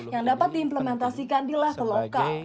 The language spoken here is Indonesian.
yang dapat diimplementasikan di level lokal